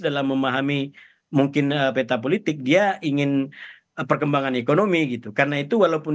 dalam memahami mungkin peta politik dia ingin perkembangan ekonomi gitu karena itu walaupun